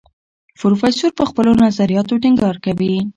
پروفیسور پر خپلو نظریاتو ټینګار کوي.